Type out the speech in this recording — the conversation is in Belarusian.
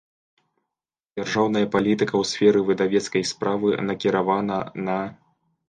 Дзяржаўная палiтыка ў сферы выдавецкай справы накiравана на.